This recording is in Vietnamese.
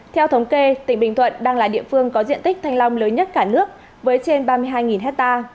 theo thống kê tỉnh bình thuận đang là địa phương có diện tích thanh long lớn nhất cả nước với trên ba mươi hai ha